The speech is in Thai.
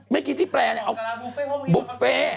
ไม่กินที่แปลงเอาบุฟเฟ่